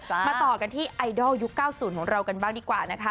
มาต่อกันที่ไอดอลยุค๙๐ของเรากันบ้างดีกว่านะคะ